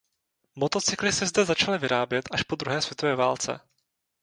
Motocykly se zde začaly vyrábět až po druhé světové válce.